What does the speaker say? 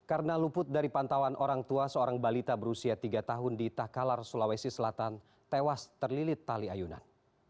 karena luput dari pantauan orang tua seorang balita berusia tiga tahun di takalar sulawesi selatan tewas terlilit tali ayunan